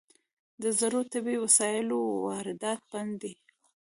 د زړو طبي وسایلو واردات بند دي؟